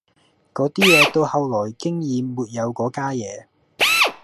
嗰啲嘢到後來經已沒有嗰家野